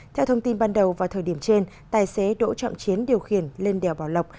theo thông tin ban đầu vào thời điểm trên tài xế đỗ trọng chiến điều khiển lên đèo bảo lộc